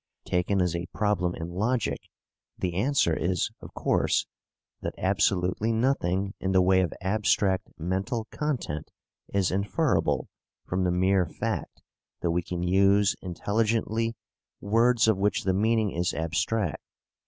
Taken as a problem in logic, the answer is, of course, that absolutely nothing in the way of abstract mental content is inferable from the mere fact that we can use intelligently words of which the meaning is abstract.